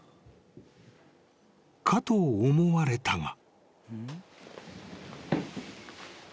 ［かと思われたが］